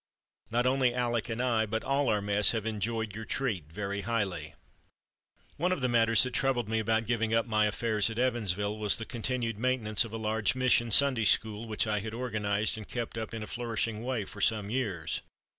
Not only Aleck and I, but all our mess have enjoyed your treat very highly." One of the matters that troubled me about giving up my affairs at Evansville was the continued maintenance of a large Mission Sunday School which I had organized and kept up in a flourishing way for some years.